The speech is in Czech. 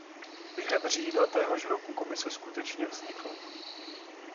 Během října téhož roku komise skutečně vznikla.